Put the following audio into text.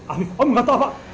afif om gak tau apa